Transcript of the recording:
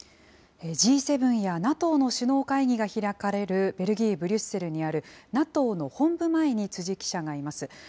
Ｇ７やＮＡＴＯの首脳会議が開かれるベルギー・ブリュッセルにあるＮＡＴＯの本部前に、辻記者がいます。